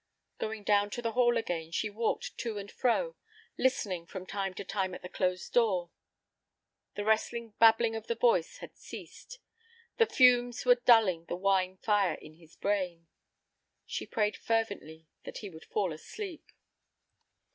Going down to the hall again, she walked to and fro, listening from time to time at the closed door. The restless babbling of the voice had ceased. The fumes were dulling the wine fire in his brain. She prayed fervently that he would fall asleep.